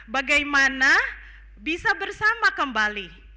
bagaimana bisa bersama kembali